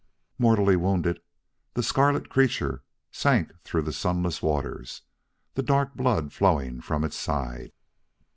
Mortally wounded, the scarlet creature sank through the sunless waters, the dark blood flowing from its side.